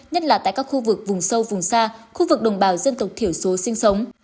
nhất là tại các khu vực vùng sâu vùng xa khu vực đồng bào dân tộc thiểu số sinh sống